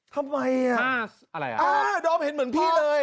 ทำไมอ่ะอะไรอ่ะอ่าดอมเห็นเหมือนพี่เลย